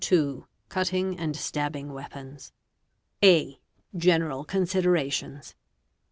—Cutting and Stabbing Weapons. A. General Considerations.